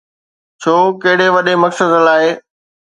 ڇو، ڪهڙي وڏي مقصد لاءِ؟